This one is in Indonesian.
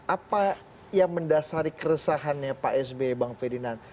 apa yang mendasari keresahannya pak sbe bang ferdinand